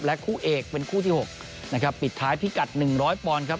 คู่เอกเป็นคู่ที่๖นะครับปิดท้ายพิกัดหนึ่งร้อยปอนด์ครับ